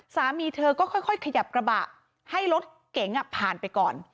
สามีเธอก็ค่อยขยับกระบะให้รถเก๋งผ่านไปก่อน